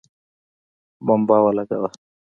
بمبه ولګوه